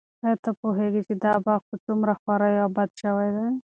ایا ته پوهېږې چې دا باغ په څومره خواریو اباد شوی دی؟